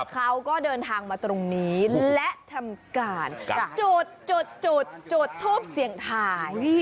เขาก็เดินทางมาตรงนี้และทำการจุดจุดทูปเสี่ยงทาย